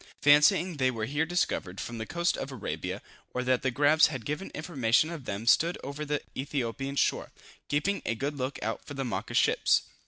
Fancying they were here discovered, from the coast of Arabia, or that the grabs had given information of them they stood over for the Ethiopian shore, keeping a good look out for the Mocha ships.